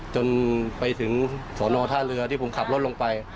จนไปถึงสอนอท่าเรือที่ผมขับรถลงไป